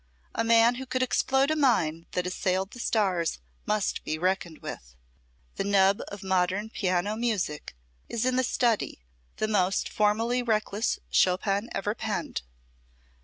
A man who could explode a mine that assailed the stars must be reckoned with. The nub of modern piano music is in the study, the most formally reckless Chopin ever penned.